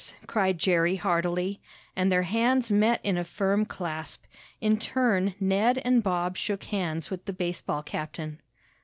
cried Jerry heartily, and their hands met in a firm clasp. In turn Ned and Bob shook hands with the baseball captain.